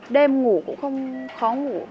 đêm ngủ cũng không khó ngủ